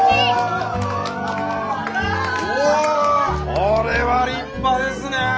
これは立派ですねえ。